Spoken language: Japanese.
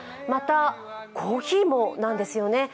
またコーヒーもなんですよね。